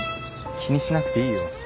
気にしなくていいよ。